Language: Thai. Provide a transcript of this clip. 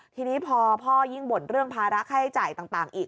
ทีนี้พอพ่อยิ่งบ่นเรื่องภาระค่าใช้จ่ายต่างอีก